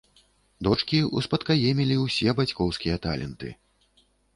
Дочкі ўспадкаемілі ўсе бацькоўскія таленты.